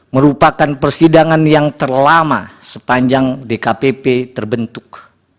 merupakan persidangan yang terlama sepanjang dkpp terbentuk